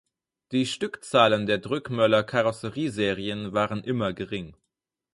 Die Stückzahlen der Drögmöller-Karosserieserien waren immer gering.